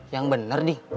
yang bener nih